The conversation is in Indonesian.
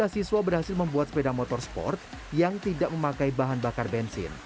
dua puluh siswa berhasil membuat sepeda motor sport yang tidak memakai bahan bakar bensin